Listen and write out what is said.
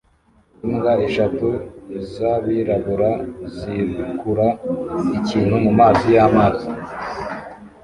Imbwa eshatu zabirabura zikura ikintu mumazi yamazi